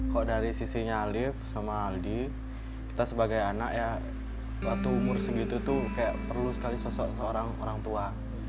kok dari sisinya alif sama aldi kita sebagai anak ya waktu umur segitu tuh kayak perlu sekali sosok seorang orang tua